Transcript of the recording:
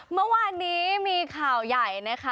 เมื่อวานนี้มีข่าวใหญ่นะคะ